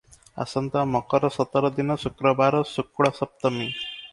ଆସନ୍ତା ମକର ସତର ଦିନ, ଶୁକ୍ରବାର, ଶୁକ୍ଳ ସପ୍ତମୀ ।